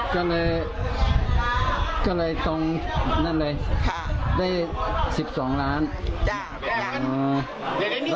เพราะว่าน้องเบนเพิ่งถูก